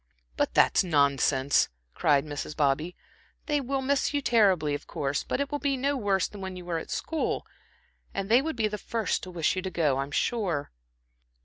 "But that is nonsense," cried Mrs. Bobby. "They will miss you terribly, of course, but it will be no worse than when you were at school, and they would be the first to wish you to go, I'm sure."